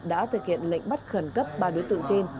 đã thực hiện lệnh bắt khẩn cấp ba đối tượng trên